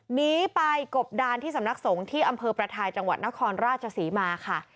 หนีไปกบดานที่สำนักสงฆ์ที่อำเภอประทายจังหวัดนครราชศรีมาค่ะ